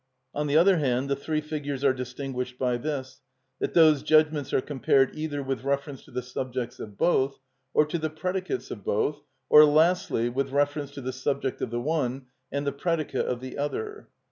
On the other hand, the three figures are distinguished by this, that those judgments are compared either with reference to the subjects of both, or to the predicates of both, or lastly, with reference to the subject of the one and the predicate of the other.